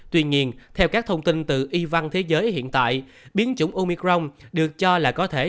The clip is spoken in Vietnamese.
tuy nhiên theo các thông tin từ y văn thế giới hiện tại biến chủng omicron được cho là có thể